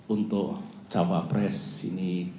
untuk cawapres ini